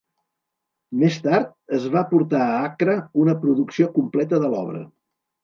Més tard es va portar a Accra una producció completa de l'obra.